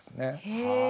へえ。